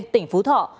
tỉnh phú thọ